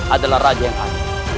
adalah raja yang lalu